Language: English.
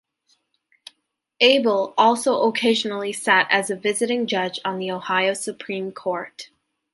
Abele also occasionally sat as a visiting judge on the Ohio Supreme Court.